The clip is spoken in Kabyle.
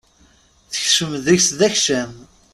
Tekcem deg-s d akcam.